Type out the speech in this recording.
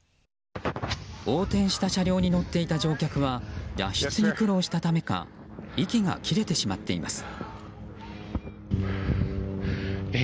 横転した車両に乗っていた乗客は脱出に苦労したためか息が切れてしまっています。